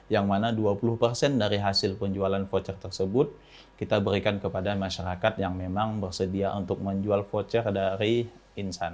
yang mana dua puluh persen dari hasil penjualan voucher tersebut kita berikan kepada masyarakat yang memang bersedia untuk menjual voucher dari insan